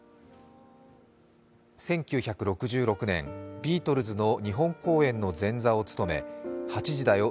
１９６６年、ビートルズの日本公演の前座を務め、「８時だョ！